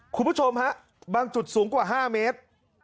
คุณผู้ชมฮะบางจุดสูงกว่า๕เมตร